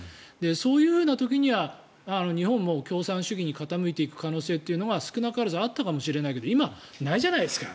そういうふうな時には日本も共産主義に傾いていく可能性というのが少なからずあったかもしれないけど今、ないじゃないですか。